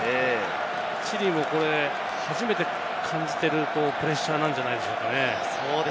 チリもこれ、初めて感じているプレッシャーなんじゃないでしょうか。